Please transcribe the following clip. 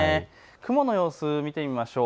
雲の様子、見てみましょう。